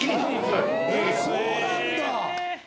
そうなんだ！